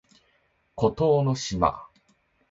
孤島の島